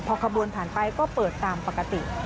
พอขบวนผ่านไปก็เปิดตามปกติ